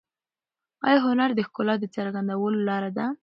آیا هنر د ښکلا د څرګندولو لاره ده؟